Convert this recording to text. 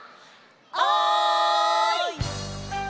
「おい！」。